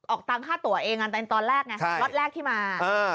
ตังค่าตัวเองตอนแรกไงล็อตแรกที่มา